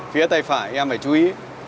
phía tay phải em phải chú ý